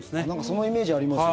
そのイメージあります。